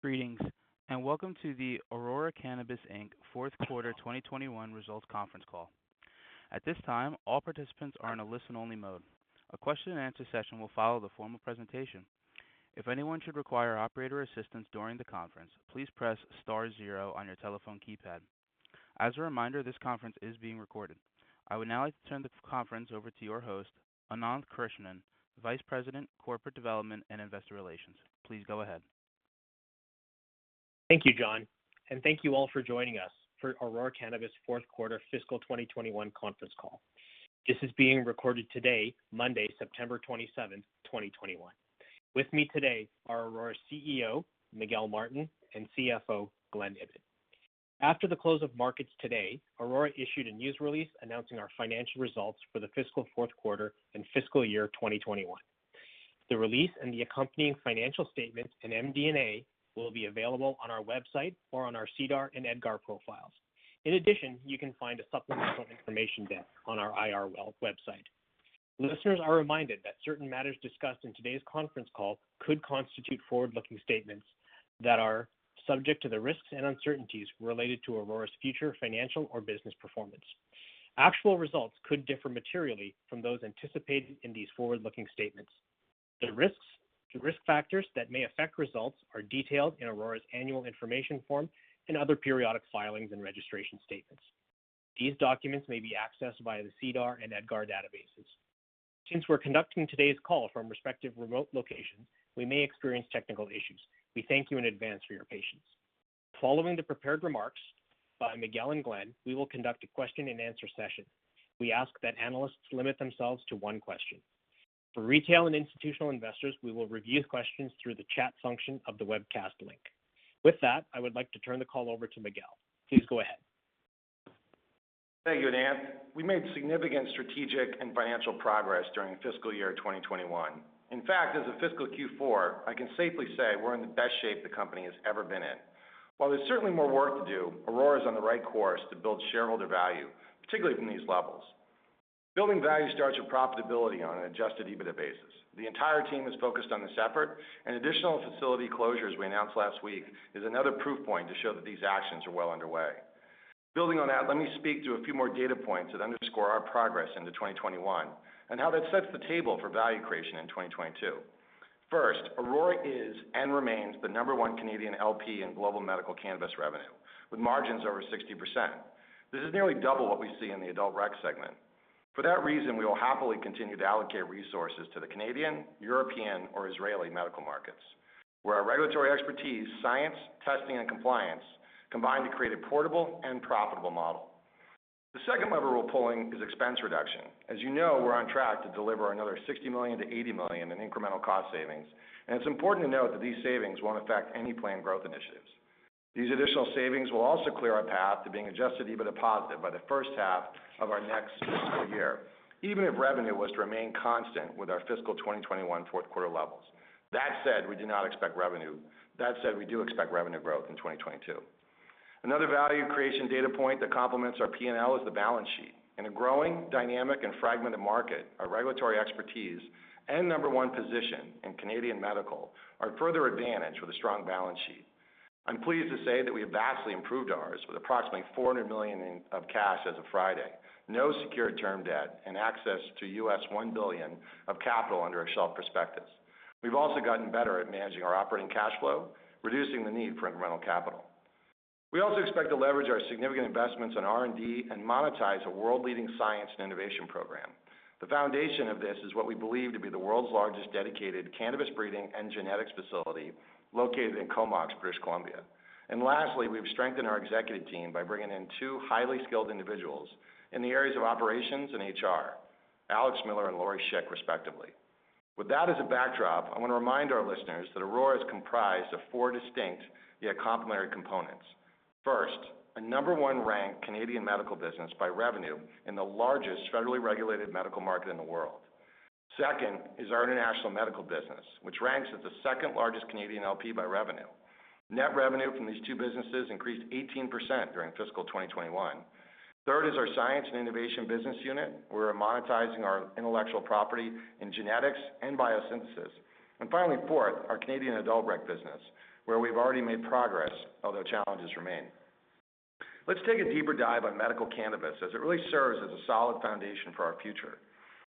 Greetings, welcome to the Aurora Cannabis Inc. fourth quarter 2021 results conference call. I would now like to turn the conference over to your host, Ananth Krishnan, Vice President, Corporate Development and Investor Relations. Please go ahead. Thank you, John, and thank you all for joining us for Aurora Cannabis fourth quarter fiscal 2021 conference call. This is being recorded today, Monday, September 27, 2021. With me today are Aurora CEO, Miguel Martin, and CFO, Glen Ibbott. After the close of markets today, Aurora issued a news release announcing our financial results for the fiscal fourth quarter and fiscal year 2021. The release and the accompanying financial statements and MD&A will be available on our website or on our SEDAR and EDGAR profiles. You can find a supplemental information deck on our IR website. Listeners are reminded that certain matters discussed in today's conference call could constitute forward-looking statements that are subject to the risks and uncertainties related to Aurora's future financial or business performance. Actual results could differ materially from those anticipated in these forward-looking statements. The risk factors that may affect results are detailed in Aurora's annual information form and other periodic filings and registration statements. These documents may be accessed via the SEDAR and EDGAR databases. Since we're conducting today's call from respective remote locations, we may experience technical issues. We thank you in advance for your patience. Following the prepared remarks by Miguel and Glen, we will conduct a question and answer session. We ask that analysts limit themselves to one question. For retail and institutional investors, we will review questions through the chat function of the webcast link. With that, I would like to turn the call over to Miguel. Please go ahead. Thank you, Ananth. We made significant strategic and financial progress during fiscal year 2021. As of fiscal Q4, I can safely say we're in the best shape the company has ever been in. There's certainly more work to do, Aurora is on the right course to build shareholder value, particularly from these levels. Building value starts with profitability on an adjusted EBITDA basis. The entire team is focused on this effort, additional facility closures we announced last week is another proof point to show that these actions are well underway. Let me speak to a few more data points that underscore our progress into 2021 and how that sets the table for value creation in 2022. Aurora is and remains the number one Canadian LP in global medical cannabis revenue, with margins over 60%. This is nearly double what we see in the adult rec segment. For that reason, we will happily continue to allocate resources to the Canadian, European, or Israeli medical markets, where our regulatory expertise, science, testing, and compliance combine to create a portable and profitable model. The second lever we're pulling is expense reduction. As you know, we're on track to deliver another 60 million-80 million in incremental cost savings, and it's important to note that these savings won't affect any planned growth initiatives. These additional savings will also clear our path to being adjusted EBITDA positive by the first half of our next fiscal year, even if revenue was to remain constant with our fiscal 2021 fourth quarter levels. That said, we do expect revenue growth in 2022. Another value creation data point that complements our P&L is the balance sheet. In a growing, dynamic, and fragmented market, our regulatory expertise and number one position in Canadian medical are further advantaged with a strong balance sheet. I'm pleased to say that we have vastly improved ours with approximately 400 million in cash as of Friday, no secured term debt, and access to 1 billion US dollars of capital under our shelf prospectus. We've also gotten better at managing our operating cash flow, reducing the need for incremental capital. We also expect to leverage our significant investments in R&D and monetize a world-leading science and innovation program. The foundation of this is what we believe to be the world's largest dedicated cannabis breeding and genetics facility located in Comox, British Columbia. Lastly, we've strengthened our executive team by bringing in two highly skilled individuals in the areas of operations and HR, Alex Miller and Lori Schick, respectively. With that as a backdrop, I want to remind our listeners that Aurora is comprised of four distinct yet complementary components. First, a number one ranked Canadian medical business by revenue in the largest federally regulated medical market in the world. Second is our international medical business, which ranks as the second-largest Canadian LP by revenue. Net revenue from these two businesses increased 18% during fiscal 2021. Third is our science and innovation business unit, where we're monetizing our intellectual property in genetics and biosynthesis. Finally, fourth, our Canadian adult rec business, where we've already made progress, although challenges remain. Let's take a deeper dive on medical cannabis as it really serves as a solid foundation for our future.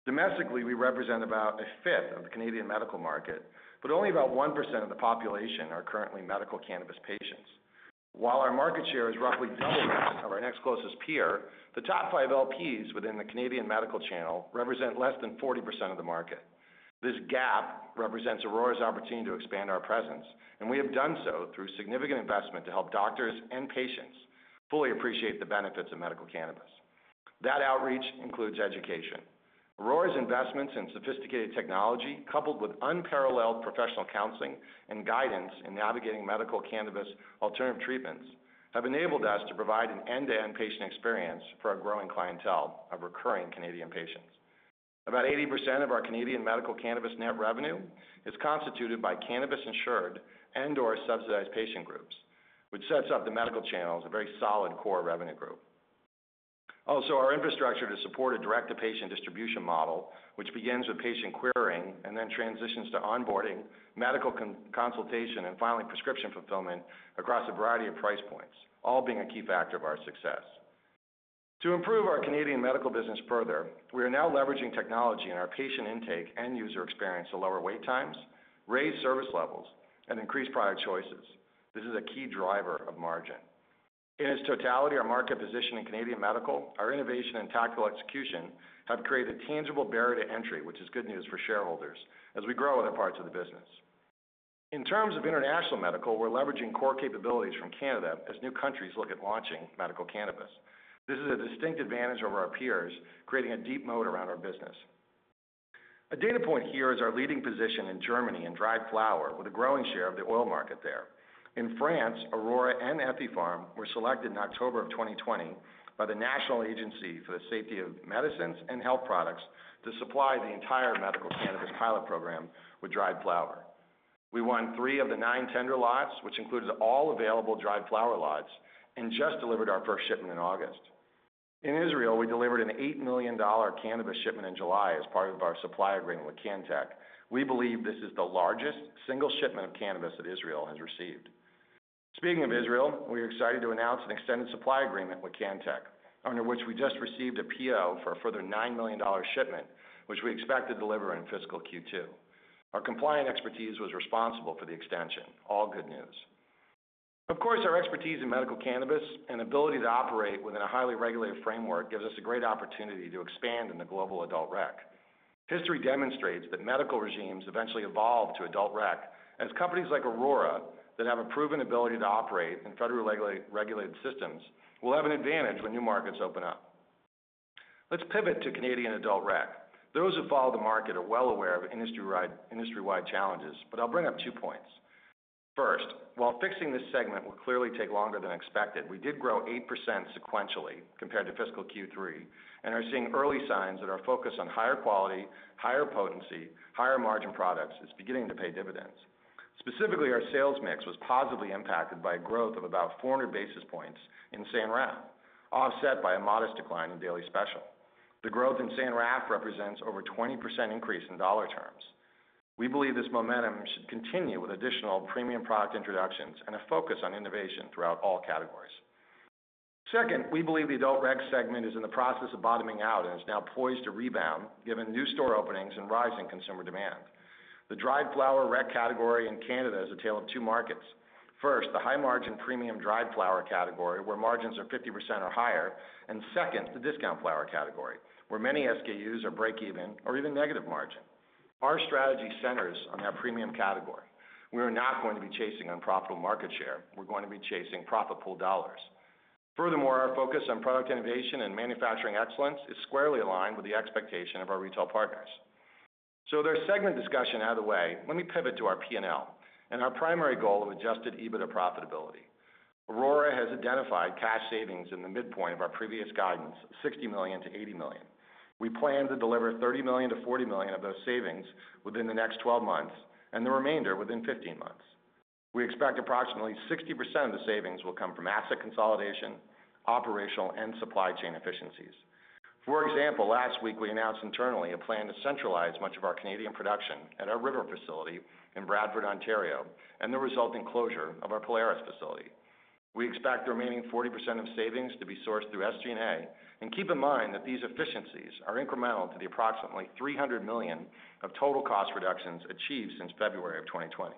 Domestically, we represent about 1/5 of the Canadian medical market, but only about 1% of the population are currently medical cannabis patients. While our market share is roughly double that of our next closest peer, the top five LPs within the Canadian medical channel represent less than 40% of the market. This gap represents Aurora's opportunity to expand our presence, and we have done so through significant investment to help doctors and patients fully appreciate the benefits of medical cannabis. That outreach includes education. Aurora's investments in sophisticated technology, coupled with unparalleled professional counseling and guidance in navigating medical cannabis alternative treatments, have enabled us to provide an end-to-end patient experience for our growing clientele of recurring Canadian patients. About 80% of our Canadian medical cannabis net revenue is constituted by cannabis-insured and/or subsidized patient groups, which sets up the medical channel as a very solid core revenue group. Also, our infrastructure to support a direct-to-patient distribution model, which begins with patient querying and then transitions to onboarding, medical consultation, and finally prescription fulfillment across a variety of price points, all being a key factor of our success. To improve our Canadian medical business further, we are now leveraging technology in our patient intake and user experience to lower wait times, raise service levels, and increase product choices. This is a key driver of margin. In its totality, our market position in Canadian medical, our innovation, and tactical execution have created a tangible barrier to entry, which is good news for shareholders as we grow other parts of the business. In terms of international medical, we're leveraging core capabilities from Canada as new countries look at launching medical cannabis. This is a distinct advantage over our peers, creating a deep moat around our business. A data point here is our leading position in Germany in dried flower with a growing share of the oil market there. In France, Aurora and Ethypharm were selected in October of 2020 by the National Agency for the Safety of Medicines and Health Products to supply the entire medical cannabis pilot program with dried flower. We won three of the nine tender lots, which includes all available dried flower lots, and just delivered our first shipment in August. In Israel, we delivered a 8 million dollar cannabis shipment in July as part of our supply agreement with Cantek. We believe this is the largest single shipment of cannabis that Israel has received. Speaking of Israel, we are excited to announce an extended supply agreement with Cantek, under which we just received a PO for a further 9 million dollar shipment, which we expect to deliver in fiscal Q2. Our compliant expertise was responsible for the extension. All good news. Of course, our expertise in medical cannabis and ability to operate within a highly regulated framework gives us a great opportunity to expand in the global adult rec. History demonstrates that medical regimes eventually evolve to adult rec, and as companies like Aurora that have a proven ability to operate in federally regulated systems will have an advantage when new markets open up. Let's pivot to Canadian adult rec. Those who follow the market are well aware of industry-wide challenges, but I'll bring up two points. First, while fixing this segment will clearly take longer than expected, we did grow 8% sequentially compared to fiscal Q3 and are seeing early signs that our focus on higher quality, higher potency, higher margin products is beginning to pay dividends. Specifically, our sales mix was positively impacted by growth of about 400 basis points in San Raf, offset by a modest decline in Daily Special. The growth in San Raf represents over 20% increase in dollar terms. We believe this momentum should continue with additional premium product introductions and a focus on innovation throughout all categories. Second, we believe the adult rec segment is in the process of bottoming out and is now poised to rebound given new store openings and rising consumer demand. The dried flower rec category in Canada is a tale of two markets. The high-margin premium dried flower category, where margins are 50% or higher, and second, the discount flower category, where many SKUs are break even or even negative margin. Our strategy centers on that premium category. We are not going to be chasing unprofitable market share. We're going to be chasing profitable dollars. Our focus on product innovation and manufacturing excellence is squarely aligned with the expectation of our retail partners. With our segment discussion out of the way, let me pivot to our P&L and our primary goal of adjusted EBITDA profitability. Aurora has identified cash savings in the midpoint of our previous guidance of 60 million to 80 million. We plan to deliver 30 million-40 million of those savings within the next 12 months, and the remainder within 15 months. We expect approximately 60% of the savings will come from asset consolidation, operational, and supply chain efficiencies. For example, last week we announced internally a plan to centralize much of our Canadian production at our River facility in Bradford, Ontario, and the resulting closure of the Polaris facility. We expect the remaining 40% of savings to be sourced through SG&A, and keep in mind that these efficiencies are incremental to the approximately 300 million of total cost reductions achieved since February of 2020.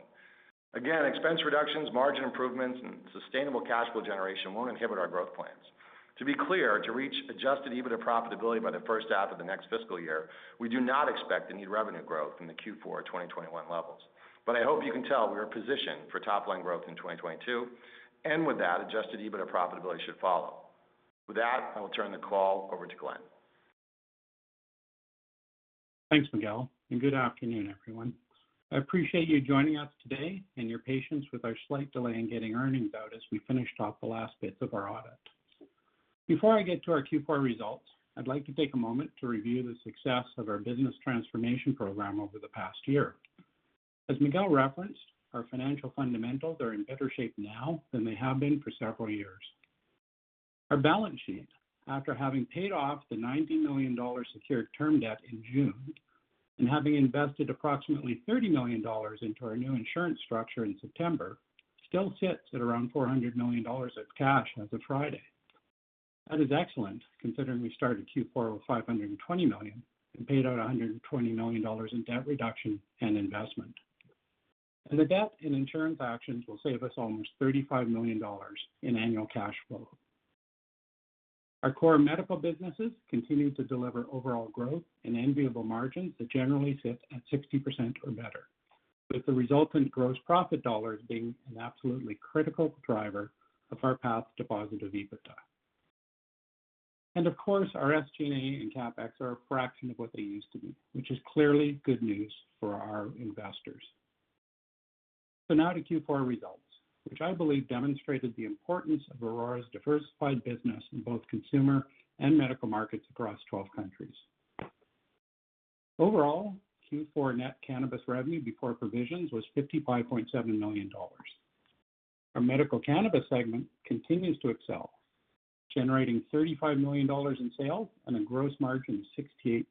Again, expense reductions, margin improvements, and sustainable cash flow generation won't inhibit our growth plans. To be clear, to reach adjusted EBITDA profitability by the first half of the next fiscal year, we do not expect any revenue growth from the Q4 2021 levels. I hope you can tell we are positioned for top-line growth in 2022, and with that, adjusted EBITDA profitability should follow. With that, I will turn the call over to Glen. Thanks, Miguel. Good afternoon, everyone. I appreciate you joining us today and your patience with our slight delay in getting earnings out as we finished off the last bits of our audit. Before I get to our Q4 results, I'd like to take a moment to review the success of our business transformation program over the past year. As Miguel referenced, our financial fundamentals are in better shape now than they have been for several years. Our balance sheet, after having paid off the 90 million dollars secured term debt in June and having invested approximately 30 million dollars into our new insurance structure in September, still sits at around 400 million dollars of cash as of Friday. That is excellent considering we started Q4 with 520 million and paid out 120 million dollars in debt reduction and investment. The debt and insurance actions will save us almost 35 million dollars in annual cash flow. Our core medical businesses continue to deliver overall growth and enviable margins that generally sit at 60% or better, with the resultant gross profit dollars being an absolutely critical driver of our path to positive EBITDA. Of course, our SG&A and CapEx are a fraction of what they used to be, which is clearly good news for our investors. Now to Q4 results, which I believe demonstrated the importance of Aurora's diversified business in both consumer and medical markets across 12 countries. Overall, Q4 net cannabis revenue before provisions was 55.7 million dollars. Our medical cannabis segment continues to excel, generating 35 million dollars in sales and a gross margin of 68%.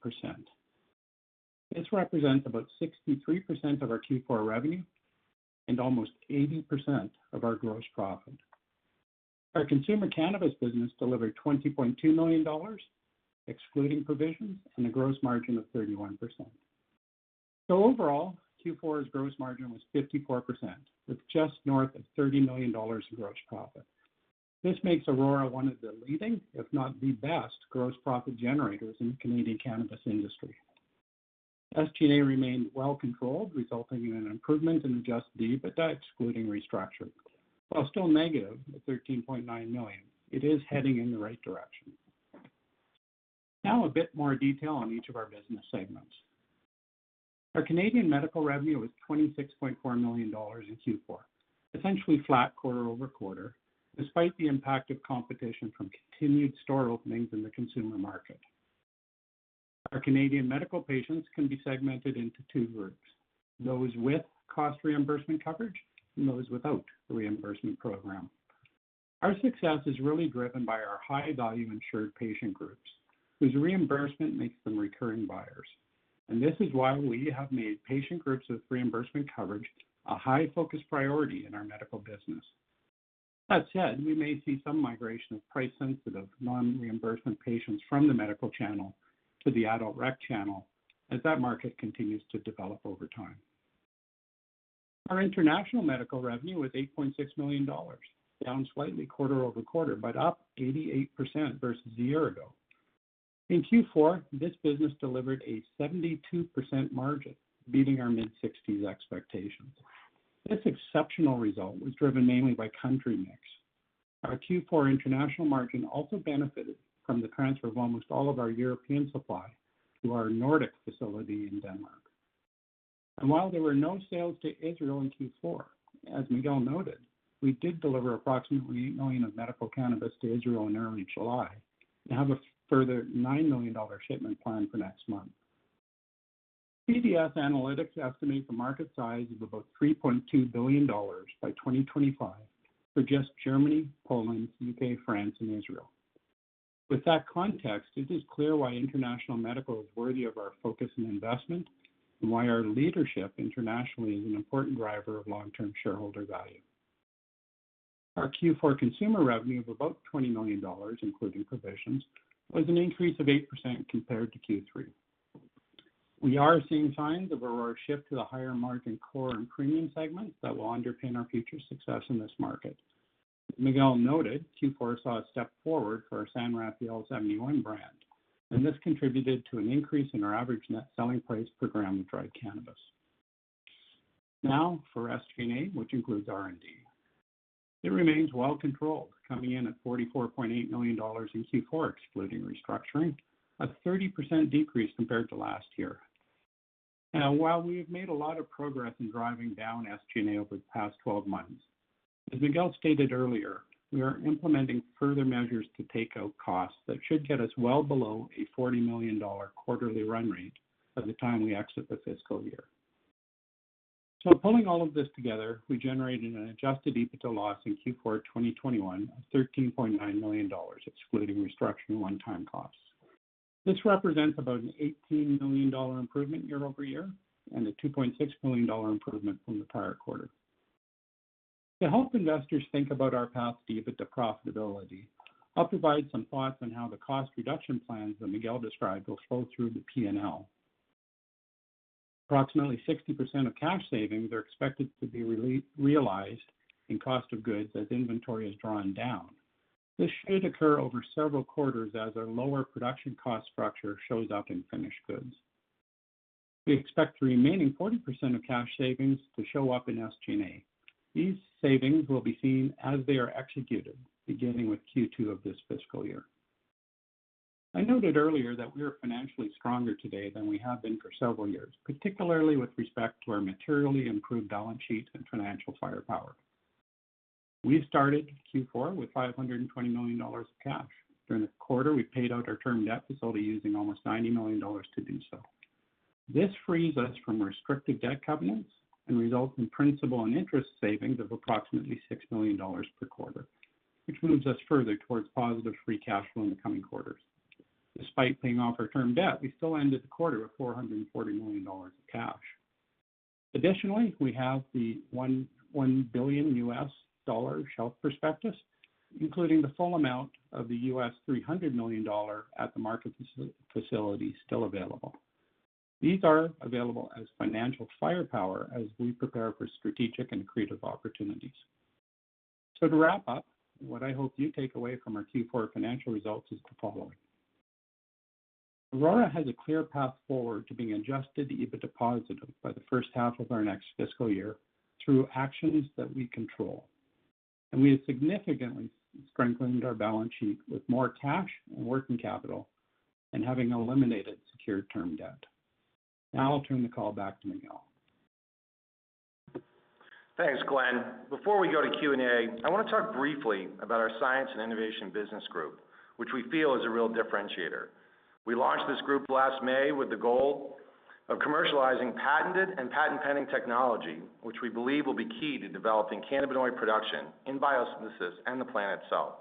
This represents about 63% of our Q4 revenue and almost 80% of our gross profit. Our consumer cannabis business delivered 20.2 million dollars, excluding provisions and a gross margin of 31%. Overall, Q4's gross margin was 54%, with just north of 30 million dollars in gross profit. This makes Aurora one of the leading, if not the best, gross profit generators in the Canadian cannabis industry. SG&A remained well controlled, resulting in an improvement in adjusted EBITDA excluding restructuring. While still negative at 13.9 million, it is heading in the right direction. A bit more detail on each of our business segments. Our Canadian medical revenue was 26.4 million dollars in Q4, essentially flat quarter-over-quarter, despite the impact of competition from continued store openings in the consumer market. Our Canadian medical patients can be segmented into two groups, those with cost reimbursement coverage and those without a reimbursement program. Our success is really driven by our high-value insured patient groups, whose reimbursement makes them recurring buyers, and this is why we have made patient groups with reimbursement coverage a high focus priority in our medical business. That said, we may see some migration of price-sensitive, non-reimbursement patients from the medical channel to the adult rec channel as that market continues to develop over time. Our international medical revenue was 8.6 million dollars, down slightly quarter-over-quarter, but up 88% versus a year ago. In Q4, this business delivered a 72% margin, beating our mid-60s expectations. This exceptional result was driven mainly by country mix. Our Q4 international margin also benefited from the transfer of almost all of our European supply to our Nordic facility in Denmark. While there were no sales to Israel in Q4, as Miguel noted, we did deliver approximately 8 million of medical cannabis to Israel in early July and have a further 9 million dollar shipment planned for next month. BDSA estimates a market size of about 3.2 billion dollars by 2025 for just Germany, Poland, U.K., France, and Israel. With that context, it is clear why international medical is worthy of our focus and investment and why our leadership internationally is an important driver of long-term shareholder value. Our Q4 consumer revenue of about 20 million dollars, including provisions, was an increase of 8% compared to Q3. We are seeing signs of Aurora's shift to the higher margin core and premium segments that will underpin our future success in this market. As Miguel noted, Q4 saw a step forward for our San Rafael '71 brand, and this contributed to an increase in our average net selling price per gram of dried cannabis. Now for SG&A, which includes R&D. It remains well controlled, coming in at 44.8 million dollars in Q4, excluding restructuring, a 30% decrease compared to last year. Now, while we have made a lot of progress in driving down SG&A over the past 12 months, as Miguel stated earlier, we are implementing further measures to take out costs that should get us well below a 40 million dollar quarterly run rate by the time we exit the fiscal year. Pulling all of this together, we generated an adjusted EBITDA loss in Q4 2021 of CAD 13.9 million, excluding restructuring one-time costs. This represents about a CAD 18 million improvement year-over-year and a CAD 2.6 million improvement from the prior quarter. To help investors think about our path to EBITDA profitability, I'll provide some thoughts on how the cost reduction plans that Miguel described will flow through the P&L. Approximately 60% of cash savings are expected to be realized in cost of goods as inventory is drawn down. This should occur over several quarters as our lower production cost structure shows up in finished goods. We expect the remaining 40% of cash savings to show up in SG&A. These savings will be seen as they are executed, beginning with Q2 of this fiscal year. I noted earlier that we are financially stronger today than we have been for several years, particularly with respect to our materially improved balance sheet and financial firepower. We started Q4 with 520 million dollars of cash. During the quarter, we paid out our term debt facility using almost 90 million dollars to do so. This frees us from restrictive debt covenants and results in principal and interest savings of approximately 6 million dollars per quarter, which moves us further towards positive free cash flow in the coming quarters. Despite paying off our term debt, we still ended the quarter with 440 million dollars of cash. Additionally, we have the $1 billion shelf prospectus, including the full amount of the $300 million at-the-market facility still available. These are available as financial firepower as we prepare for strategic and creative opportunities. To wrap up, what I hope you take away from our Q4 financial results is the following. Aurora has a clear path forward to being adjusted EBITDA positive the first half of our next fiscal year through actions that we control, and we have significantly strengthened our balance sheet with more cash and working capital and having eliminated secured term debt. Now I'll turn the call back to Miguel. Thanks, Glen. Before we go to Q&A, I want to talk briefly about our Science and Innovation Business Group, which we feel is a real differentiator. We launched this group last May with the goal of commercializing patented and patent-pending technology, which we believe will be key to developing cannabinoid production in biosynthesis and the plant itself.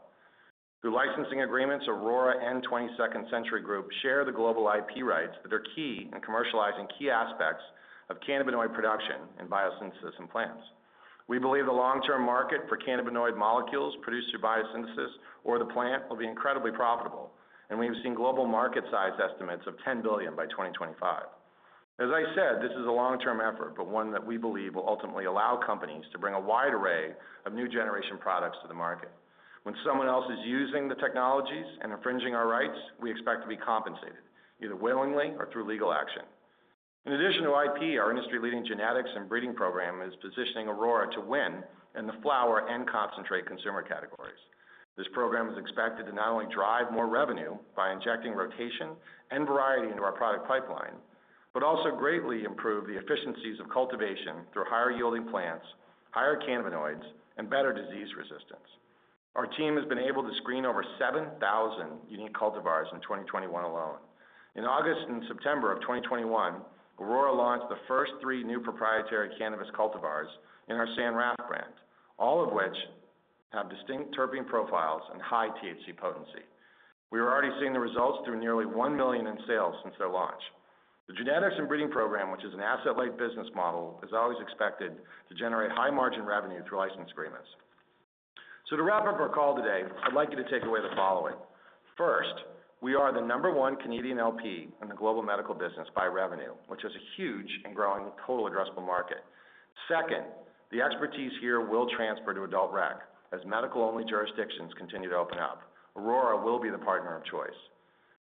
Through licensing agreements, Aurora and 22nd Century Group share the global IP rights that are key in commercializing key aspects of cannabinoid production in biosynthesis and plants. We have seen global market size estimates of 10 billion by 2025. As I said, this is a long-term effort, one that we believe will ultimately allow companies to bring a wide array of new generation products to the market. When someone else is using the technologies and infringing our rights, we expect to be compensated, either willingly or through legal action. In addition to IP, our industry-leading genetics and breeding program is positioning Aurora to win in the flower and concentrate consumer categories. This program is expected to not only drive more revenue by injecting rotation and variety into our product pipeline, but also greatly improve the efficiencies of cultivation through higher-yielding plants, higher cannabinoids, and better disease resistance. Our team has been able to screen over 7,000 unique cultivars in 2021 alone. In August and September of 2021, Aurora launched the first 3 new proprietary cannabis cultivars in our San Raf brand, all of which have distinct terpene profiles and high THC potency. We are already seeing the results through nearly 1 million in sales since their launch. The genetics and breeding program, which is an asset-light business model, is always expected to generate high-margin revenue through license agreements. To wrap up our call today, I'd like you to take away the following. First, we are the number one Canadian LP in the global medical business by revenue, which is a huge and growing total addressable market. Second, the expertise here will transfer to adult rec as medical-only jurisdictions continue to open up. Aurora will be the partner of choice.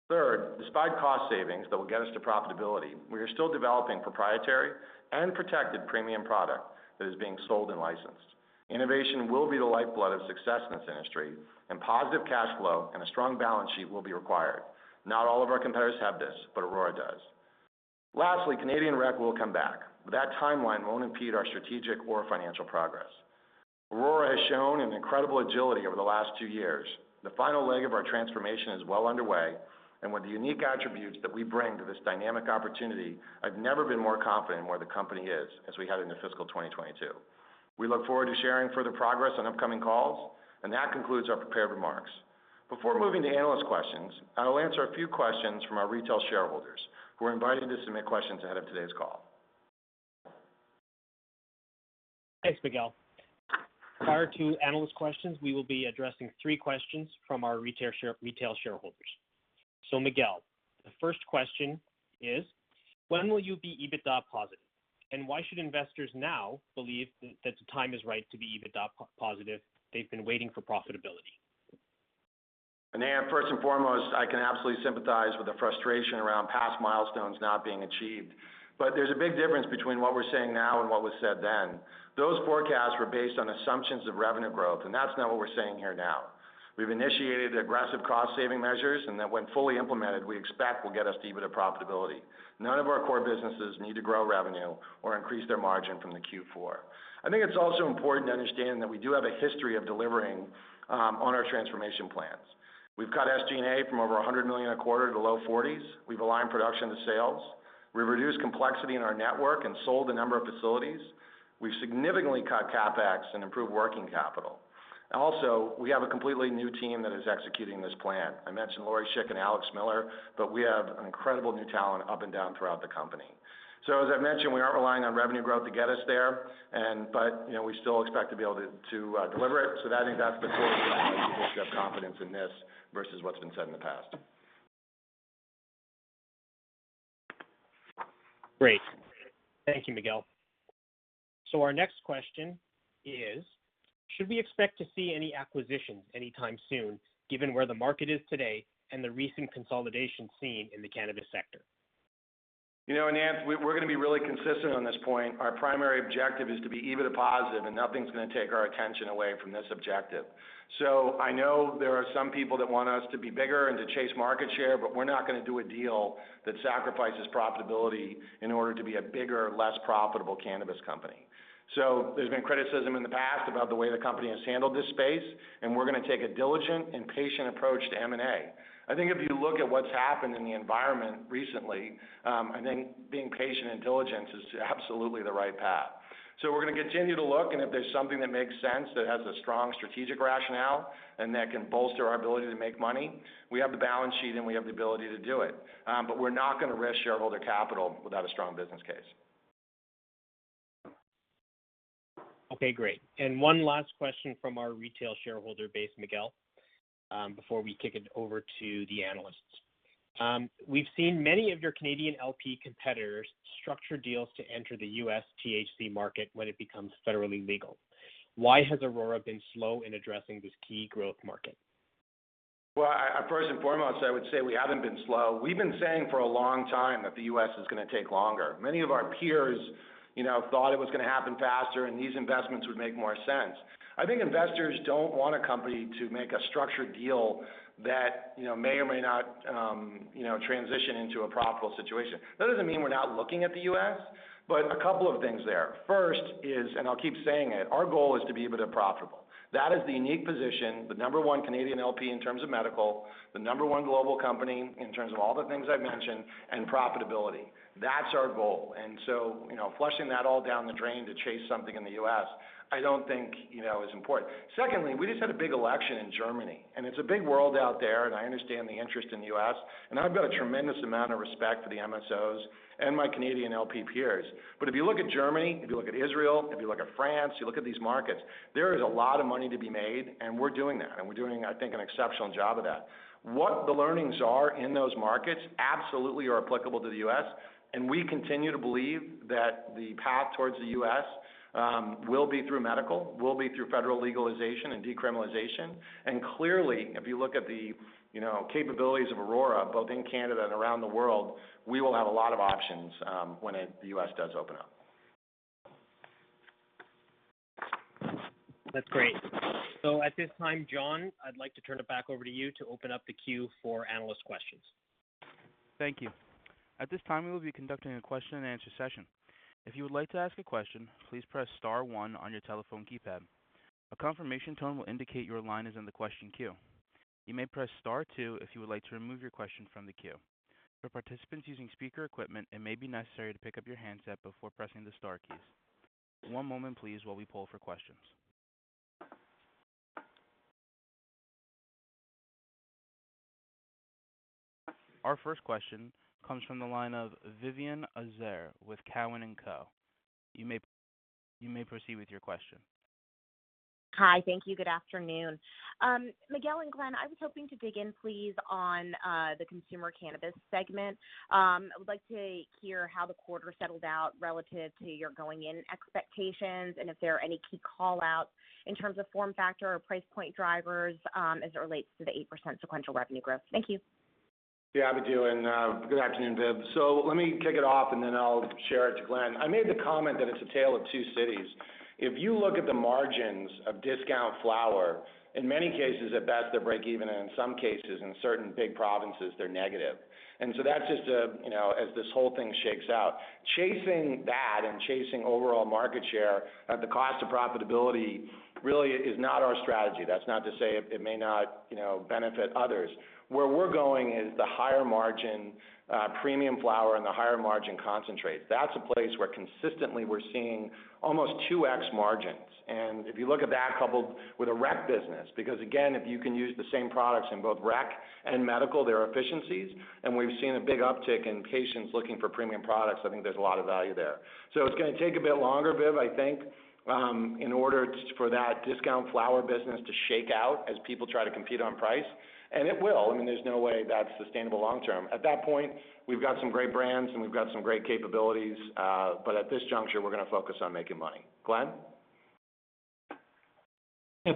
Third, despite cost savings that will get us to profitability, we are still developing proprietary and protected premium product that is being sold and licensed. Innovation will be the lifeblood of success in this industry, and positive cash flow and a strong balance sheet will be required. Not all of our competitors have this, but Aurora does. Canadian rec will come back, but that timeline won't impede our strategic or financial progress. Aurora has shown an incredible agility over the last two years. The final leg of our transformation is well underway, with the unique attributes that we bring to this dynamic opportunity, I've never been more confident in where the company is as we head into fiscal 2022. We look forward to sharing further progress on upcoming calls. That concludes our prepared remarks. Before moving to analyst questions, I will answer a few questions from our retail shareholders who were invited to submit questions ahead of today's call. Thanks, Miguel. Prior to analyst questions, we will be addressing three questions from our retail shareholders. Miguel, the first question is: When will you be EBITDA positive, and why should investors now believe that the time is right to be EBITDA positive? They've been waiting for profitability. First and foremost, I can absolutely sympathize with the frustration around past milestones not being achieved. There's a big difference between what we're saying now and what was said then. Those forecasts were based on assumptions of revenue growth, and that's not what we're saying here now. We've initiated aggressive cost-saving measures, and that when fully implemented, we expect will get us to EBITDA profitability. None of our core businesses need to grow revenue or increase their margin from the Q4. I think it's also important to understand that we do have a history of delivering on our transformation plans. We've cut SG&A from over 100 million a quarter to the low CAD 40s. We've aligned production to sales. We've reduced complexity in our network and sold a number of facilities. We've significantly cut CapEx and improved working capital. Also, we have a completely new team that is executing this plan. I mentioned Lori Schick and Alex Miller, but we have incredible new talent up and down throughout the company. As I mentioned, we aren't relying on revenue growth to get us there, but we still expect to be able to deliver it. I think that's the key that people should have confidence in this versus what's been said in the past. Great. Thank you, Miguel. Our next question is: Should we expect to see any acquisitions anytime soon given where the market is today and the recent consolidation seen in the cannabis sector? You know, we're going to be really consistent on this point. Our primary objective is to be EBITDA positive, and nothing's going to take our attention away from this objective. I know there are some people that want us to be bigger and to chase market share, but we're not going to do a deal that sacrifices profitability in order to be a bigger, less profitable cannabis company. There's been criticism in the past about the way the company has handled this space, and we're going to take a diligent and patient approach to M&A. I think if you look at what's happened in the environment recently, I think being patient and diligent is absolutely the right path. We're going to continue to look, and if there's something that makes sense that has a strong strategic rationale and that can bolster our ability to make money, we have the balance sheet and we have the ability to do it. We're not going to risk shareholder capital without a strong business case. Okay, great. One last question from our retail shareholder base, Miguel, before we kick it over to the analysts. We've seen many of your Canadian LP competitors structure deals to enter the U.S. THC market when it becomes federally legal. Why has Aurora been slow in addressing this key growth market? First and foremost, I would say we haven't been slow. We've been saying for a long time that the U.S. is going to take longer. Many of our peers thought it was going to happen faster, and these investments would make more sense. I think investors don't want a company to make a structured deal that may or may not transition into a profitable situation. That doesn't mean we're not looking at the U.S., a couple of things there. First is, I'll keep saying it, our goal is to be a bit profitable. That is the unique position, the number one Canadian LP in terms of medical, the number one global company in terms of all the things I've mentioned, and profitability. That's our goal. Flushing that all down the drain to chase something in the U.S. I don't think is important. Secondly, we just had a big election in Germany. It's a big world out there. I understand the interest in the U.S. I've got a tremendous amount of respect for the MSOs and my Canadian LP peers. If you look at Germany, if you look at Israel, if you look at France, you look at these markets, there is a lot of money to be made, and we're doing that. We're doing, I think, an exceptional job of that. What the learnings are in those markets absolutely are applicable to the U.S. We continue to believe that the path towards the U.S. will be through medical, will be through federal legalization and decriminalization. Clearly, if you look at the capabilities of Aurora, both in Canada and around the world, we will have a lot of options when the U.S. does open up. That's great. At this time, John, I'd like to turn it back over to you to open up the queue for analyst questions. Thank you. At this time, we will be conducting a question and answer session. If you would like to ask a question, please press star one on your telephone keypad. A confirmation tone will indicate your line is in the question queue. You may press star two if you would like to remove your question from the queue. For participants using speaker equipment, it may be necessary to pick up your handset before pressing the star keys. One moment, please, while we pull for questions. Our first question comes from the line of Vivien Azer with Cowen and Co. You may proceed with your question. Hi. Thank you. Good afternoon. Miguel and Glen, I was hoping to dig in, please, on the consumer cannabis segment. I would like to hear how the quarter settled out relative to your going-in expectations and if there are any key call-outs in terms of form factor or price point drivers as it relates to the 8% sequential revenue growth. Thank you. Yeah, I would do and good afternoon, Viv. Let me kick it off, and then I'll share it to Glen. I made the comment that it's a tale of two cities. If you look at the margins of discount flower, in many cases, at best, they're breakeven, and in some cases, in certain big provinces, they're negative. That's just as this whole thing shakes out. Chasing that and chasing overall market share at the cost of profitability really is not our strategy. That's not to say it may not benefit others. Where we're going is the higher margin premium flower and the higher margin concentrate. That's a place where consistently we're seeing almost 2x margins. If you look at that coupled with a rec business, because again, if you can use the same products in both rec and medical, there are efficiencies, and we've seen a big uptick in patients looking for premium products. I think there's a lot of value there. It's going to take a bit longer, Viv, I think, in order for that discount flower business to shake out as people try to compete on price. It will. I mean, there's no way that's sustainable long term. At that point, we've got some great brands, and we've got some great capabilities. At this juncture, we're going to focus on making money. Glen?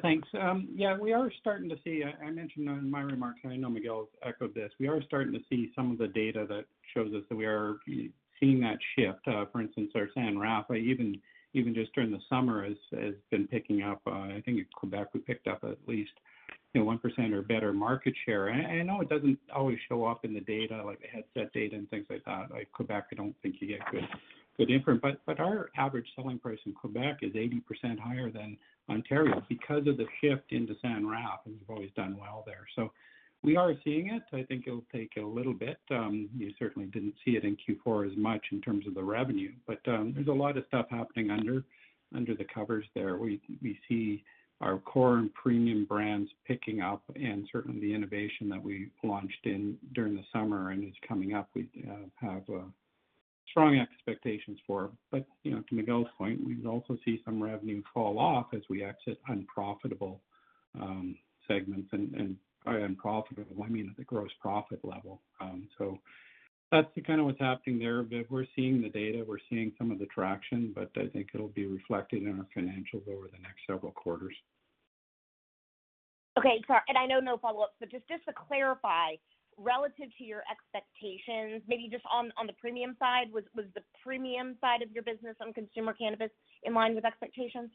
Thanks. We are starting to see, I mentioned in my remarks, and I know Miguel echoed this, we are starting to see some of the data that shows us that we are seeing that shift. For instance, our San Raf, even just during the summer, has been picking up. I think in Quebec, we picked up at least 1% or better market share. I know it doesn't always show up in the data, like the Headset data and things like that. Like Quebec, I don't think you get good imprint, but our average selling price in Quebec is 80% higher than Ontario because of the shift into San Raf, and we've always done well there. We are seeing it. I think it'll take a little bit. You certainly didn't see it in Q4 as much in terms of the revenue, but there's a lot of stuff happening under the covers there. We see our core and premium brands picking up and certainly the innovation that we launched in during the summer and is coming up, we have strong expectations for. To Miguel's point, we also see some revenue fall off as we exit unprofitable segments and by unprofitable, I mean at the gross profit level. That's kind of what's happening there, Viv. We're seeing the data. We're seeing some of the traction, but I think it'll be reflected in our financials over the next several quarters. Okay. Sorry, and I know no follow-ups, but just to clarify, relative to your expectations, maybe just on the premium side, was the premium side of your business on consumer cannabis in line with expectations?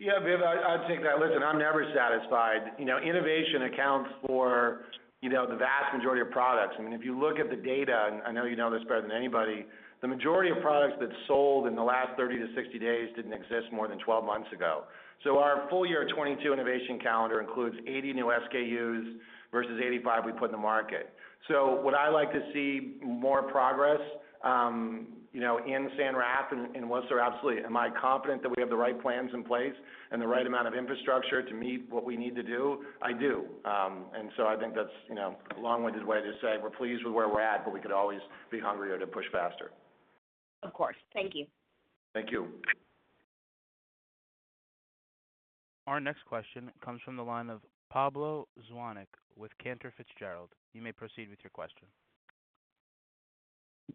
Viv, I'd take that. Listen, I'm never satisfied. Innovation accounts for the vast majority of products. I mean, if you look at the data, and I know you know this better than anybody, the majority of products that sold in the last 30-60 days didn't exist more than 12 months ago. Our full year 2022 innovation calendar includes 80 new SKUs versus 85 we put in the market. Would I like to see more progress in San Raf and Whistler? Absolutely. Am I confident that we have the right plans in place and the right amount of infrastructure to meet what we need to do? I do. I think that's a long-winded way to say we're pleased with where we're at, but we could always be hungrier to push faster. Of course. Thank you. Thank you. Our next question comes from the line of Pablo Zuanic with Cantor Fitzgerald. You may proceed with your question.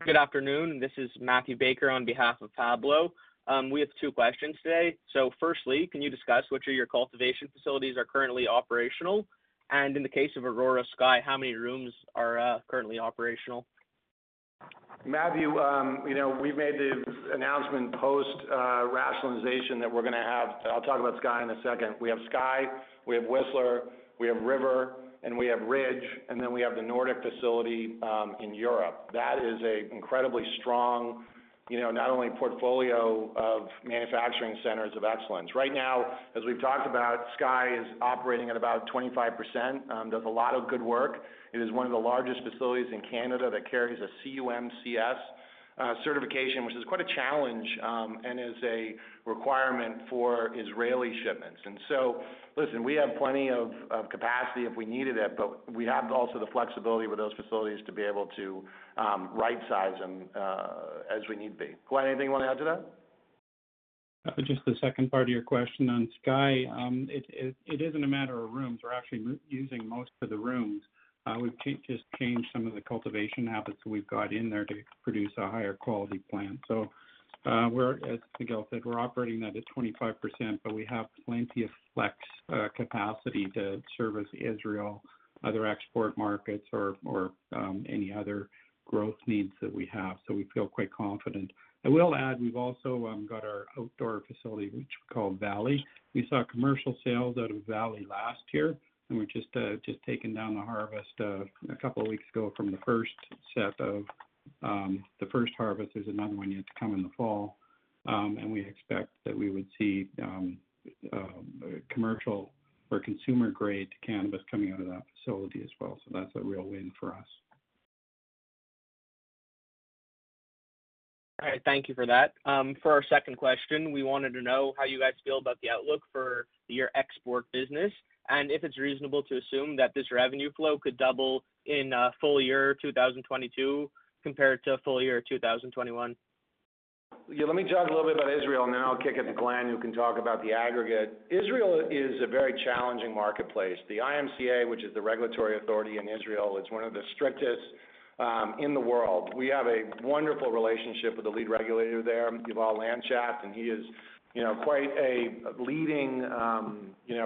Good afternoon. This is Matthew Baker on behalf of Pablo. We have two questions today. Firstly, can you discuss which of your cultivation facilities are currently operational? And in the case of Aurora Sky, how many rooms are currently operational? Matthew, we made the announcement post-rationalization that we're going to have. I'll talk about Sky in a second. We have Sky, we have Whistler, we have River, and we have Ridge, and then we have the Nordic facility in Europe. That is an incredibly strong, not only portfolio of manufacturing centers of excellence. Right now, as we've talked about, Sky is operating at about 25%, does a lot of good work. It is one of the largest facilities in Canada that carries a EU-GMP certification, which is quite a challenge, and is a requirement for Israeli shipments. Listen, we have plenty of capacity if we needed it, but we have also the flexibility with those facilities to be able to right-size them as we need be. Glen, anything you want to add to that? Just the second part of your question on Sky. It isn't a matter of rooms. We're actually using most of the rooms. We've just changed some of the cultivation habits that we've got in there to produce a higher quality plant. As Miguel said, we're operating that at 25%, but we have plenty of flex capacity to service Israel, other export markets, or any other growth needs that we have. We feel quite confident. I will add, we've also got our outdoor facility, which we call Valley. We saw commercial sales out of Valley last year, and we've just taken down the harvest a couple of weeks ago from the first set of the first harvest. There's another one yet to come in the fall. We expect that we would see commercial or consumer-grade cannabis coming out of that facility as well. That's a real win for us. All right. Thank you for that. For our second question, we wanted to know how you guys feel about the outlook for your export business, and if it is reasonable to assume that this revenue flow could double in full year 2022 compared to full year 2021. Let me talk a little bit about Israel, and then I'll kick it to Glen, who can talk about the aggregate. Israel is a very challenging marketplace. The IMCA, which is the regulatory authority in Israel, is one of the strictest in the world. We have a wonderful relationship with the lead regulator there, Yuval Landschaft, and he is quite a leading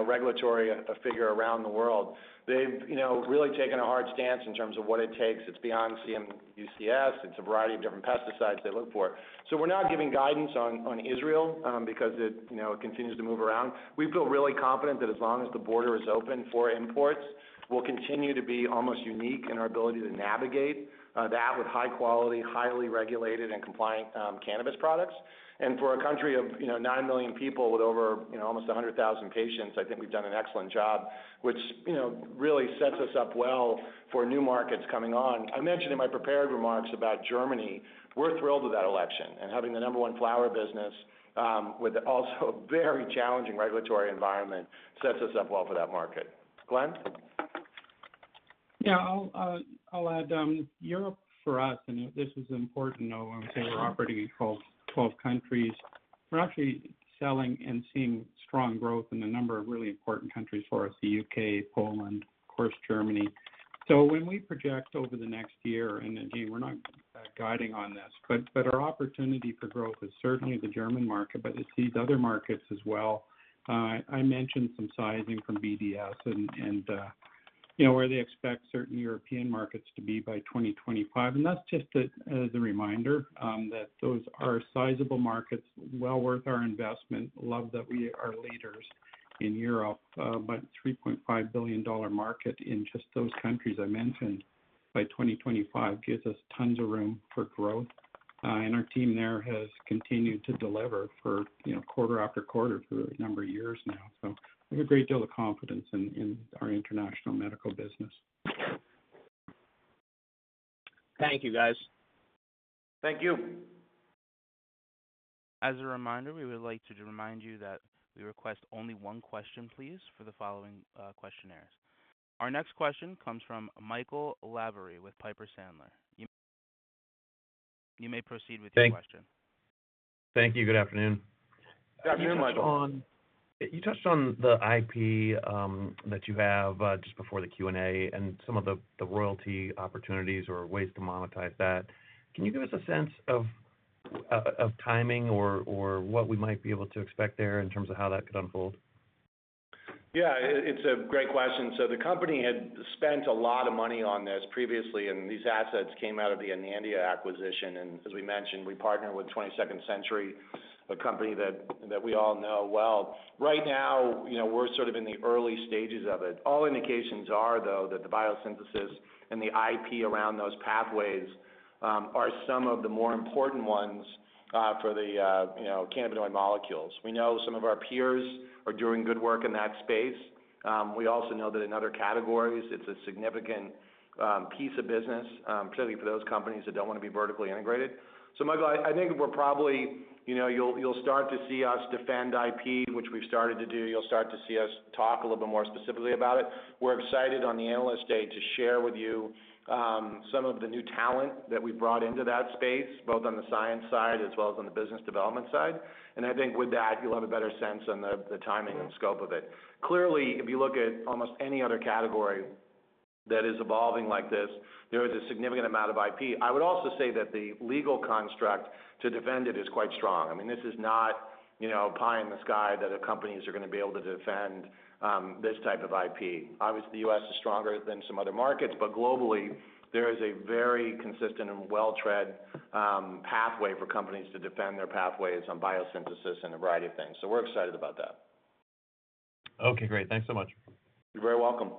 regulatory figure around the world. They've really taken a hard stance in terms of what it takes. It's beyond EU-GMP. It's a variety of different pesticides they look for. We're not giving guidance on Israel, because it continues to move around. We feel really confident that as long as the border is open for imports, we'll continue to be almost unique in our ability to navigate that with high quality, highly regulated and compliant cannabis products. For a country of nine million people with almost 100,000 patients, I think we've done an excellent job, which really sets us up well for new markets coming on. I mentioned in my prepared remarks about Germany. We're thrilled with that election, and having the number one flower business, with also a very challenging regulatory environment, sets us up well for that market. Glen? Yeah, I'll add, Europe for us, and this is important, I would say we're operating in 12 countries. We're actually selling and seeing strong growth in a number of really important countries for us, the U.K., Poland, of course, Germany. When we project over the next year, and again, we're not guiding on this, but our opportunity for growth is certainly the German market, but it's these other markets as well. I mentioned some sizing from BDSA and where they expect certain European markets to be by 2025. That's just as a reminder that those are sizable markets well worth our investment. Love that we are leaders in Europe. CAD 3.5 billion market in just those countries I mentioned by 2025 gives us tons of room for growth. Our team there has continued to deliver for quarter after quarter for a number of years now. We have a great deal of confidence in our international medical business. Thank you, guys. Thank you. As a reminder, we would like to remind you that we request only one question, please, for the following questioners. Our next question comes from Michael Lavery with Piper Sandler. You may proceed with your question. Thank you. Good afternoon. Good afternoon, Michael. You touched on the IP that you have just before the Q&A and some of the royalty opportunities or ways to monetize that. Can you give us a sense of timing or what we might be able to expect there in terms of how that could unfold? Yeah, it's a great question. The company had spent a lot of money on this previously, and these assets came out of the Anandia acquisition. As we mentioned, we partner with 22nd Century Group, a company that we all know well. Right now, we're sort of in the early stages of it. All indications are, though, that the biosynthesis and the IP around those pathways are some of the more important ones for the cannabinoid molecules. We know some of our peers are doing good work in that space. We also know that in other categories, it's a significant piece of business, clearly for those companies that don't want to be vertically integrated. Michael, I think you'll start to see us defend IP, which we've started to do. You'll start to see us talk a little bit more specifically about it. We're excited on the Analyst Day to share with you some of the new talent that we've brought into that space, both on the science side as well as on the business development side. I think with that, you'll have a better sense on the timing and scope of it. Clearly, if you look at almost any other category that is evolving like this. There is a significant amount of IP. I would also say that the legal construct to defend it is quite strong. This is not pie in the sky that the companies are going to be able to defend this type of IP. Obviously, the U.S. is stronger than some other markets, but globally, there is a very consistent and well-tread pathway for companies to defend their pathways on biosynthesis and a variety of things. We're excited about that. Okay, great. Thanks so much. You're very welcome.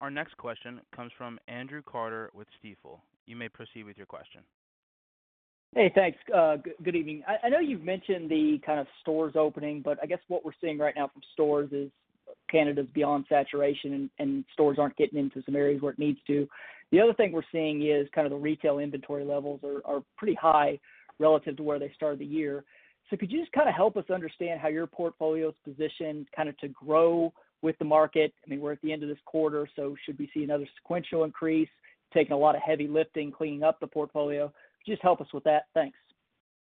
Our next question comes from Andrew Carter with Stifel. You may proceed with your question. Hey, thanks. Good evening. I know you've mentioned the kind of stores opening, I guess what we're seeing right now from stores is Canada's beyond saturation and stores aren't getting into some areas where it needs to. The other thing we're seeing is the retail inventory levels are pretty high relative to where they started the year. Could you just help us understand how your portfolio's positioned to grow with the market? We're at the end of this quarter, Should we see another sequential increase, taking a lot of heavy lifting, cleaning up the portfolio? Just help us with that. Thanks.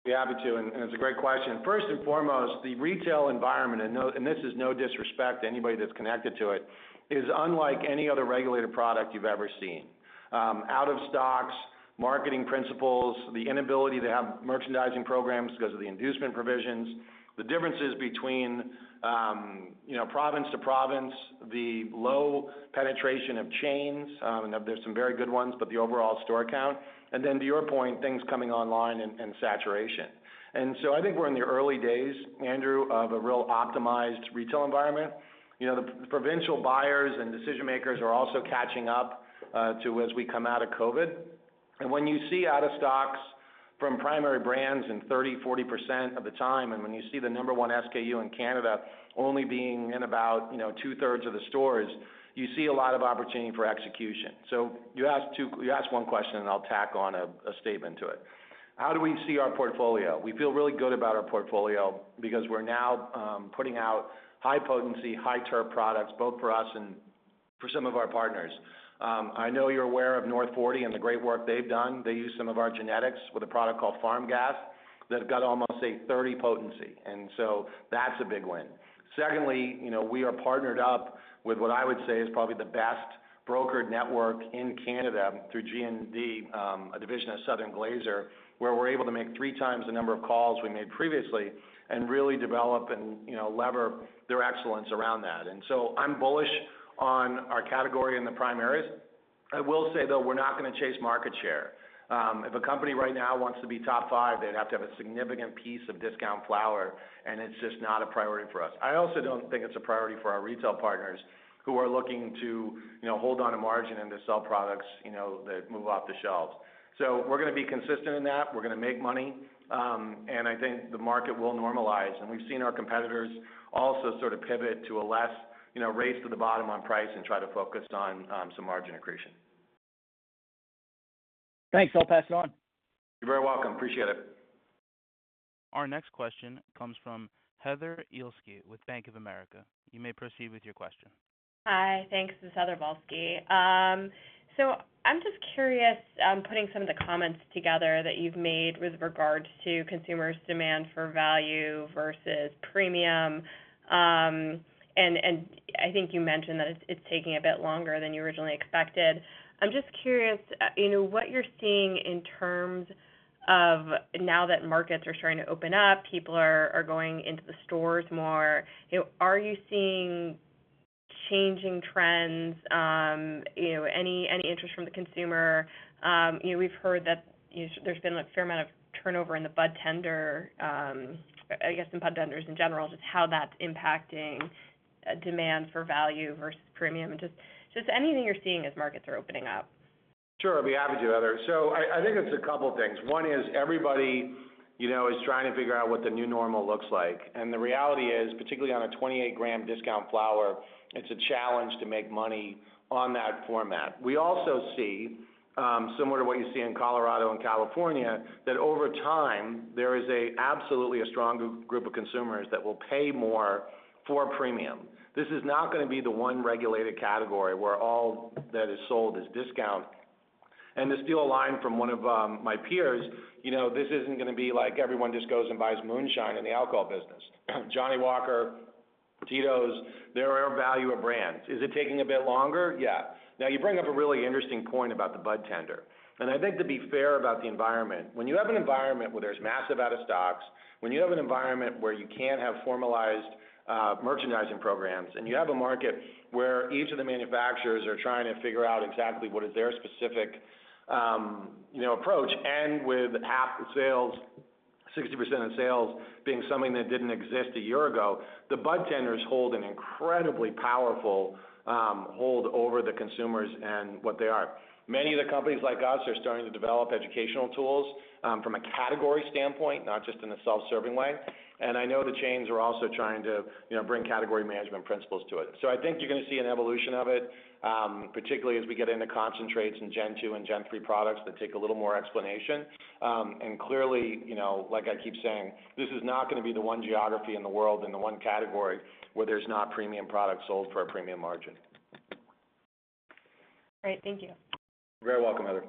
Be happy to. It's a great question. First and foremost, the retail environment, and this is no disrespect to anybody that's connected to it, is unlike any other regulated product you've ever seen. Out of stocks, marketing principles, the inability to have merchandising programs because of the inducement provisions, the differences between province to province, the low penetration of chains, and there's some very good ones, but the overall store count, and then to your point, things coming online and saturation. I think we're in the early days, Andrew, of a real optimized retail environment. The provincial buyers and decision-makers are also catching up too, as we come out of COVID. When you see out of stocks from primary brands in 30%, 40% of the time, and when you see the number one SKU in Canada only being in about 2/3 of the stores, you see a lot of opportunity for execution. You asked one question, and I'll tack on a statement to it. How do we see our portfolio? We feel really good about our portfolio because we're now putting out high potency, high terp products both for us and for some of our partners. I know you're aware of North 40 and the great work they've done. They use some of our genetics with a product called Farm Gas that's got almost, say, 30 potency. That's a big win. Secondly, we are partnered up with what I would say is probably the best broker network in Canada through GND, a division of Southern Glazer's, where we're able to make three times the number of calls we made previously and really develop and lever their excellence around that. I'm bullish on our category in the primaries. I will say, though, we're not going to chase market share. If a company right now wants to be top five, they'd have to have a significant piece of discount flower, and it's just not a priority for us. I also don't think it's a priority for our retail partners who are looking to hold onto margin and to sell products that move off the shelves. We're going to be consistent in that. We're going to make money. I think the market will normalize, and we've seen our competitors also sort of pivot to a less race to the bottom on price and try to focus on some margin accretion. Thanks. I'll pass it on. You're very welcome. Appreciate it. Our next question comes from Heather Balsky with Bank of America. You may proceed with your question. Hi. Thanks, this is Heather Balsky. I'm just curious, putting some of the comments together that you've made with regards to consumers' demand for value versus premium, and I think you mentioned that it's taking a bit longer than you originally expected. I'm just curious, what you're seeing in terms of now that markets are starting to open up, people are going into the stores more, are you seeing changing trends? Any interest from the consumer? We've heard that there's been a fair amount of turnover in the budtender, I guess in budtenders in general, just how that's impacting demand for value versus premium, and just anything you're seeing as markets are opening up? Sure. I'd be happy to, Heather. I think it's a couple things. One is everybody is trying to figure out what the new normal looks like. The reality is, particularly on a 28-gram discount flower, it's a challenge to make money on that format. We also see, similar to what you see in Colorado and California, that over time there is absolutely a strong group of consumers that will pay more for premium. This is not going to be the one regulated category where all that is sold is discount. To steal a line from one of my peers, this isn't going to be like everyone just goes and buys moonshine in the alcohol business. Johnnie Walker, Tito's, they're value of brands. Is it taking a bit longer? Yeah. You bring up a really interesting point about the budtender, and I think to be fair about the environment, when you have an environment where there's massive out of stocks, when you have an environment where you can't have formalized merchandising programs, and you have a market where each of the manufacturers are trying to figure out exactly what is their specific approach, and with half the sales, 60% of the sales being something that didn't exist a year ago, the budtenders hold an incredibly powerful hold over the consumers and what they are. Many of the companies like us are starting to develop educational tools, from a category standpoint, not just in a self-serving way. I know the chains are also trying to bring category management principles to it. I think you're going to see an evolution of it, particularly as we get into concentrates and 2nd-gen and 3rd-gen products that take a little more explanation. Clearly, like I keep saying, this is not going to be the one geography in the world and the one category where there's not premium product sold for a premium margin. Great. Thank you. You're very welcome, Heather.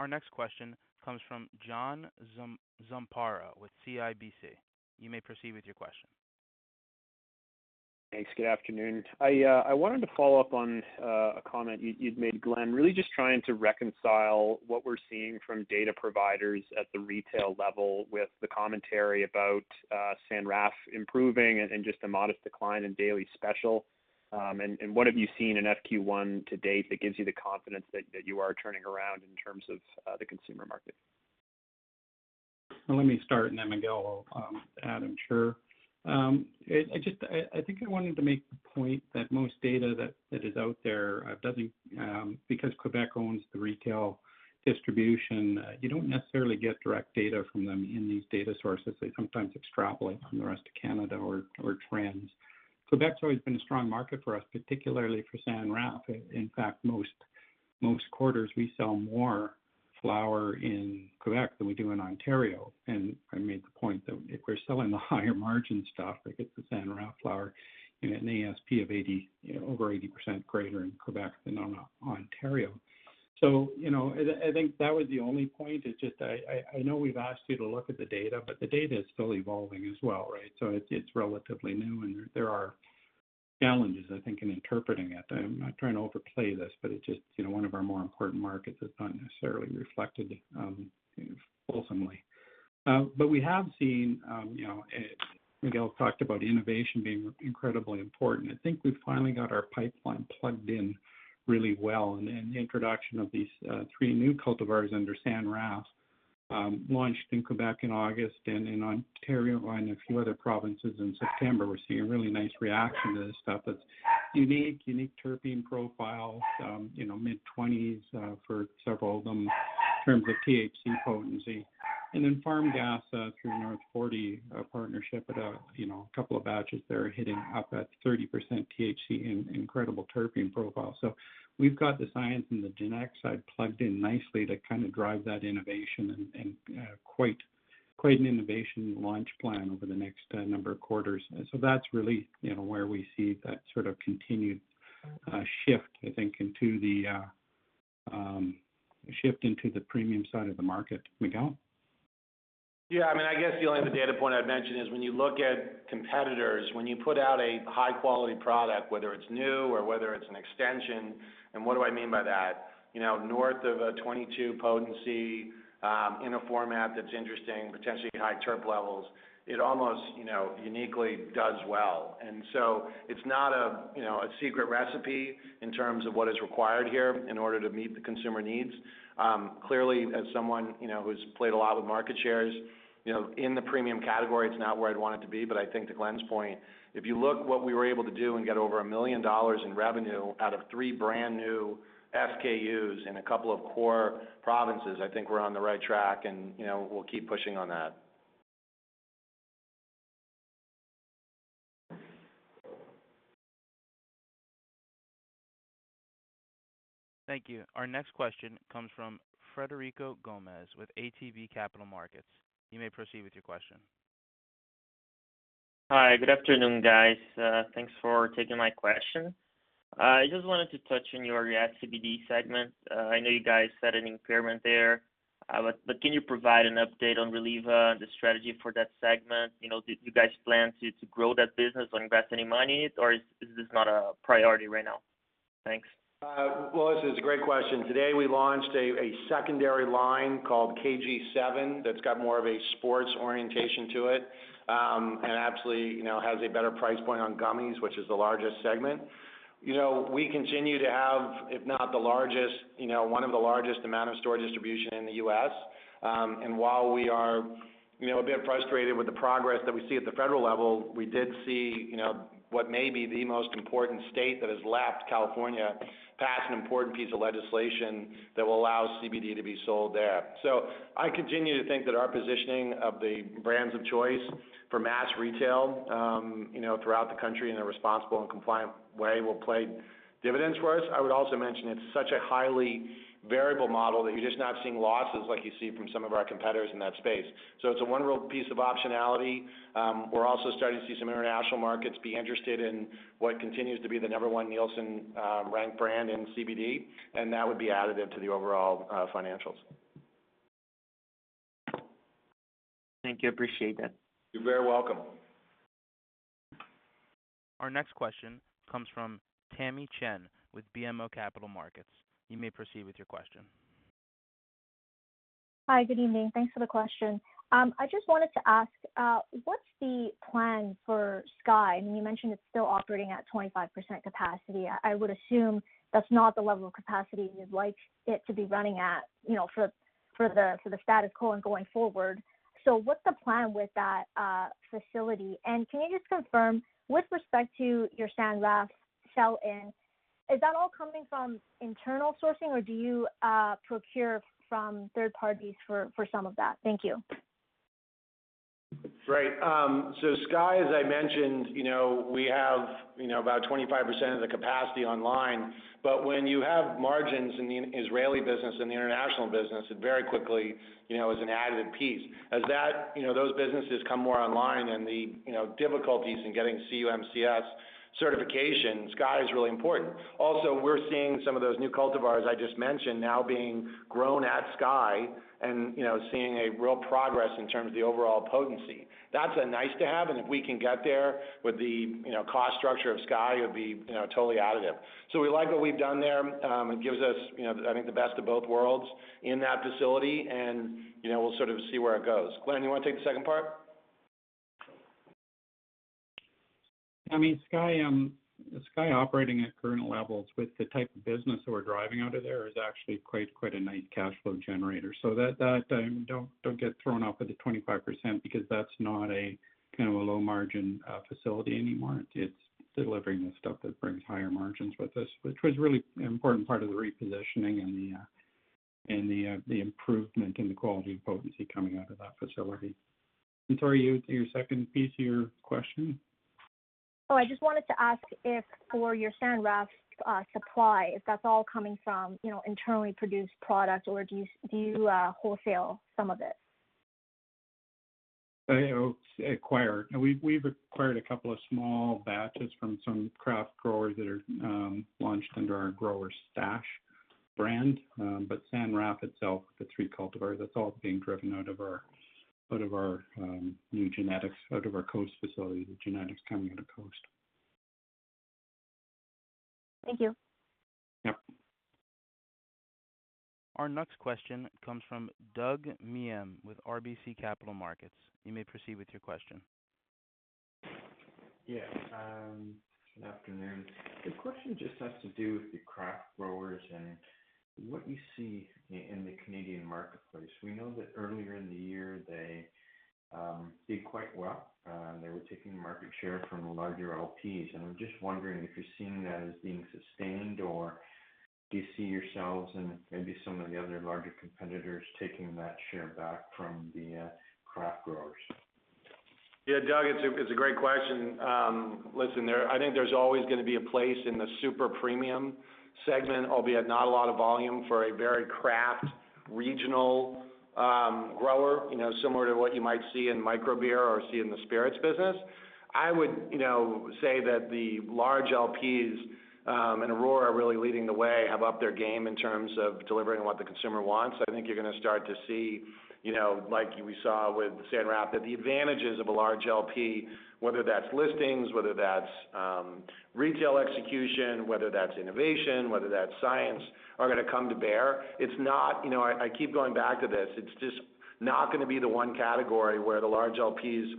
Our next question comes from John Zamparo with CIBC. You may proceed with your question. Thanks. Good afternoon. I wanted to follow up on a comment you'd made, Glen. Really just trying to reconcile what we're seeing from data providers at the retail level with the commentary about San Raf improving and just a modest decline in Daily Special. What have you seen in FQ1 to date that gives you the confidence that you are turning around in terms of the consumer market? Well, let me start and then Miguel will add, I'm sure. I think I wanted to make the point that most data that is out there, because Quebec owns the retail distribution, you don't necessarily get direct data from them in these data sources. They sometimes extrapolate from the rest of Canada or trends. Quebec's always been a strong market for us, particularly for San Raf. In fact, most quarters, we sell more flower in Quebec than we do in Ontario. I made the point that if we're selling the higher margin stuff, like it's the San Raf flower in an ASP of over 80% greater in Quebec than Ontario. I think that was the only point is just I know we've asked you to look at the data, but the data is still evolving as well, right? It's relatively new, and there are challenges, I think, in interpreting it. I'm not trying to overplay this, but it's just one of our more important markets that's not necessarily reflected fulsomely. We have seen, Miguel talked about innovation being incredibly important. I think we've finally got our pipeline plugged in really well. The introduction of these three new cultivars under San Raf, launched in Quebec in August and in Ontario and a few other provinces in September. We're seeing a really nice reaction to this stuff that's unique terpene profile, mid-20s for several of them in terms of THC potency. Farm Gas through North 40, a partnership with a couple of batches there hitting up at 30% THC and incredible terpene profile. We've got the science and the genetics side plugged in nicely to kind of drive that innovation and quite an innovation launch plan over the next number of quarters. That's really where we see that sort of continued shift, I think, into the premium side of the market. Miguel? Yeah, I guess the only other data point I'd mention is when you look at competitors, when you put out a high-quality product, whether it's new or whether it's an extension and what do I mean by that? North of a 22 potency, in a format that's interesting, potentially high terp levels, it almost uniquely does well. It's not a secret recipe in terms of what is required here in order to meet the consumer needs. Clearly, as someone who's played a lot with market shares, in the premium category, it's not where I'd want it to be, but I think to Glen's point, if you look what we were able to do and get over 1 million dollars in revenue out of three brand new SKUs in a couple of core provinces, I think we're on the right track, and we'll keep pushing on that. Thank you. Our next question comes from Frederico Gomes with ATB Capital Markets. You may proceed with your question. Hi, good afternoon, guys. Thanks for taking my question. I just wanted to touch on your CBD segment. I know you guys had an impairment there. Can you provide an update on Reliva and the strategy for that segment? Do you guys plan to grow that business or invest any money, or is this not a priority right now? Thanks. Well, this is a great question. Today, we launched a secondary line called KG7 that's got more of a sports orientation to it, and absolutely, has a better price point on gummies, which is the largest segment. We continue to have, if not the largest, one of the largest amount of store distribution in the U.S. While we are a bit frustrated with the progress that we see at the federal level, we did see what may be the most important state that has left, California, pass an important piece of legislation that will allow CBD to be sold there. I continue to think that our positioning of the brands of choice for mass retail throughout the country in a responsible and compliant way will play dividends for us. I would also mention it's such a highly variable model that you're just not seeing losses like you see from some of our competitors in that space. It's a wonderful piece of optionality. We're also starting to see some international markets be interested in what continues to be the number one NielsenIQ ranked brand in CBD, and that would be additive to the overall financials. Thank you. Appreciate that. You're very welcome. Our next question comes from Tamy Chen with BMO Capital Markets. You may proceed with your question. Hi, good evening. Thanks for the question. I just wanted to ask, what's the plan for Sky? I mean, you mentioned it's still operating at 25% capacity. I would assume that's not the level of capacity you'd like it to be running at for the status quo and going forward. What's the plan with that facility? Can you just confirm, with respect to your San Raf sell-in, is that all coming from internal sourcing, or do you procure from third parties for some of that? Thank you. Right. Sky, as I mentioned, we have about 25% of the capacity online. When you have margins in the Israeli business and the international business, it very quickly is an additive piece. As those businesses come more online and the difficulties in getting EU-GMP certification, Sky is really important. We're seeing some of those new cultivars I just mentioned now being grown at Sky and seeing a real progress in terms of the overall potency. That's a nice-to-have, and if we can get there with the cost structure of Sky, it would be totally additive. We like what we've done there. It gives us, I think, the best of both worlds in that facility, and we'll sort of see where it goes. Glen, you want to take the second part? Sky operating at current levels with the type of business that we're driving out of there is actually quite a nice cash flow generator. Don't get thrown off with the 25% because that's not a low-margin facility anymore. It's delivering the stuff that brings higher margins with us, which was really an important part of the repositioning and the improvement in the quality and potency coming out of that facility. Tamy, your second piece of your question. I just wanted to ask if for your San Raf supply, if that's all coming from internally produced product, or do you wholesale some of it? Acquired. We've acquired a couple of small batches from some craft growers that are launched under our Grower's Stash brand. San Raf itself, the three cultivars, that's all being driven out of our new genetics, out of our Coast facility, the genetics coming out of Coast. Thank you. Yep. Our next question comes from Douglas Miehm with RBC Capital Markets. You may proceed with your question. Yeah. Good afternoon. The question just has to do with the craft growers and what you see in the Canadian marketplace. We know that earlier in the year, they did quite well. They were taking market share from the larger LPs, and I'm just wondering if you're seeing that as being sustained, or do you see yourselves and maybe some of the other larger competitors taking that share back from the craft growers? Yeah, Doug, it's a great question. Listen, I think there's always going to be a place in the super premium segment, albeit not a lot of volume, for a very craft regional grower, similar to what you might see in microbrew or see in the spirits business. I would say that the large LPs and Aurora are really leading the way, have upped their game in terms of delivering what the consumer wants. I think you're going to start to see, like we saw with San Raf, that the advantages of a large LP, whether that's listings, whether that's retail execution, whether that's innovation, whether that's science, are going to come to bear. I keep going back to this. It's just not going to be the one category where the large LPs,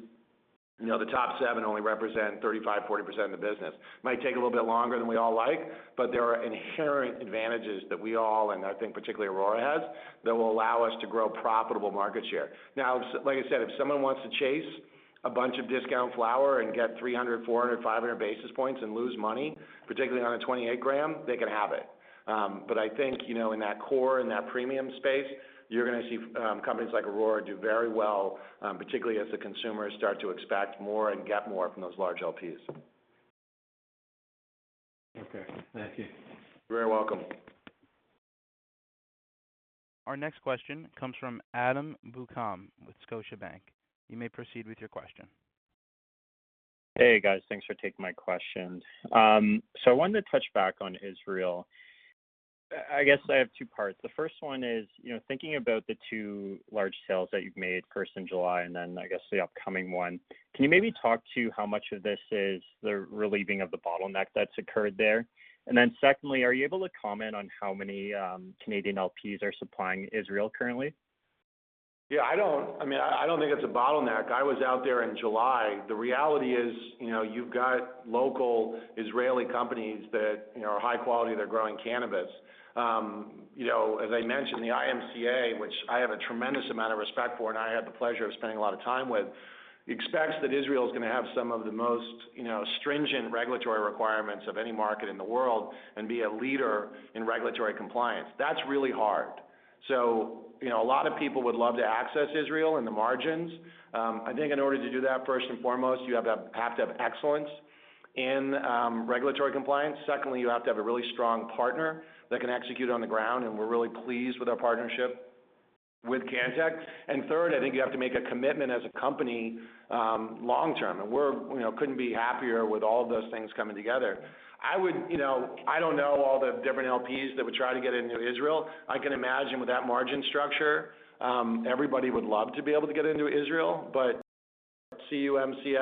the top seven only represent 35%, 40% of the business. Might take a little bit longer than we all like, but there are inherent advantages that we all, and I think particularly Aurora has, that will allow us to grow profitable market share. Now, like I said, if someone wants to chase a bunch of discount flower and get 300, 400, 500 basis points and lose money, particularly on a 28-gram, they can have it. I think, in that core, in that premium space, you're going to see companies like Aurora do very well, particularly as the consumers start to expect more and get more from those large LPs. Okay. Thank you. You're very welcome. Our next question comes from Adam Buckham with Scotiabank. You may proceed with your question. Hey, guys. Thanks for taking my questions. I wanted to touch back on Israel. I guess I have two parts. The first one is, thinking about the two large sales that you've made, first in July, and then I guess the upcoming one, can you maybe talk to how much of this is the relieving of the bottleneck that's occurred there? Then secondly, are you able to comment on how many Canadian LPs are supplying Israel currently? Yeah, I don't think it's a bottleneck. I was out there in July. The reality is, you've got local Israeli companies that are high quality, they're growing cannabis. As I mentioned, the IMCA, which I have a tremendous amount of respect for and I had the pleasure of spending a lot of time with, expects that Israel is going to have some of the most stringent regulatory requirements of any market in the world and be a leader in regulatory compliance. That's really hard. A lot of people would love to access Israel and the margins. I think in order to do that, first and foremost, you have to have excellence in regulatory compliance. Secondly, you have to have a really strong partner that can execute on the ground, and we're really pleased with our partnership with Cantek. Third, I think you have to make a commitment as a company long-term, and we couldn't be happier with all of those things coming together. I don't know all the different LPs that would try to get into Israel. I can imagine with that margin structure, everybody would love to be able to get into Israel. EU-GMP,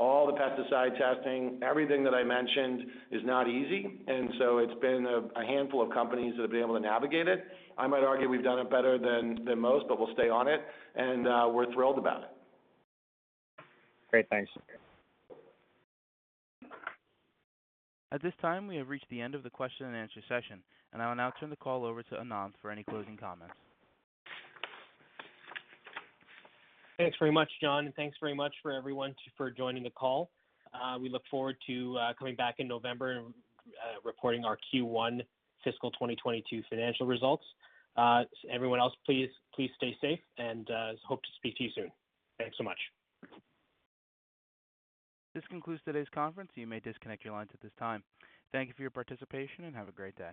all the pesticide testing, everything that I mentioned is not easy, it's been a handful of companies that have been able to navigate it. I might argue we've done it better than most, but we'll stay on it, and we're thrilled about it. Great. Thanks. At this time, we have reached the end of the question and answer session. I will now turn the call over to Ananth for any closing comments. Thanks very much, John, and thanks very much for everyone for joining the call. We look forward to coming back in November and reporting our Q1 fiscal 2022 financial results. Everyone else, please stay safe, and hope to speak to you soon. Thanks so much. This concludes today's conference. You may disconnect your lines at this time. Thank you for your participation, and have a great day.